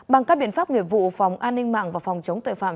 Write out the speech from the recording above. bằng các biện pháp nghiệp vụ phòng an ninh mạng và phòng chống tội phạm